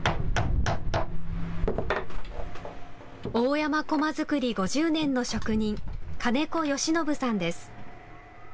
大山こま作り５０年の職人、金子吉延さんです。